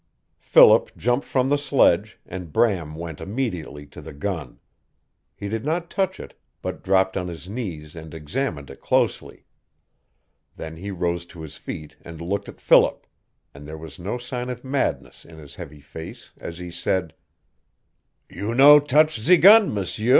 Philip jumped from the sledge, and Bram went immediately to the gun. He did not touch it, but dropped on his knees and examined it closely. Then he rose to his feet and looked at Philip, and there was no sign of madness in his heavy face as he said, "You no touch ze gun, m'sieu.